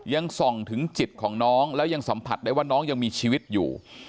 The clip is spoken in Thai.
ยังส่องถึงจิตของน้องแล้วยังสัมผัสได้ว่าน้องยังมีชีวิตอยู่